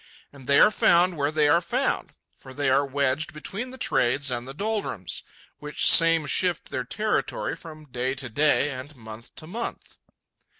And they are found where they are found; for they are wedged between the trades and the doldrums, which same shift their territory from day to day and month to month.